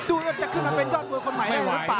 ดูจะขึ้นไปเป็นอาวุธคนใหม่ได้หรือเปล่า